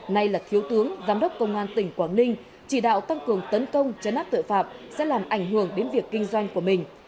nay là thiếu tướng giám đốc công an tỉnh quảng ninh chỉ đạo tăng cường tấn công chấn áp tội phạm sẽ làm ảnh hưởng đến việc kinh doanh của mình